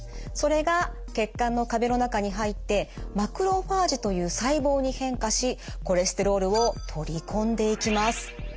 それが血管の壁の中に入ってマクロファージという細胞に変化しコレステロールを取り込んでいきます。